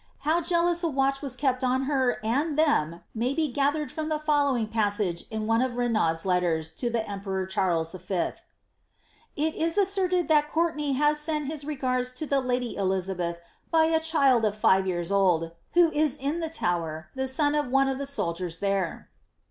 How jea lous a watch was kept on her, and them, may be gathered from the foi ling ing passage in one of Renaud's letters to the emperor Charles V.' ~ It is asserted that Courtenay has sent his regards to the lady Elizabeth bv a child of five years old, who is in the Tower, the son of one of the soldiers there."